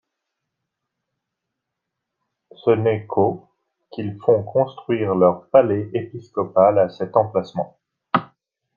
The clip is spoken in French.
Ce n'est qu'au qu'ils font construire leur palais épiscopal à cet emplacement.